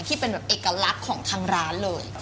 ที่เป็นแบบเอกลักษณ์ของทางร้านเลย